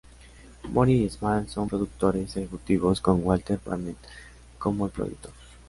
Moore y Small son los productores ejecutivos, con Walter Barnett como el productor.